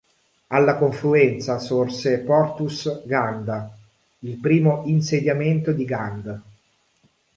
Alla confluenza sorse "Portus Ganda", il primo insediamento di Gand.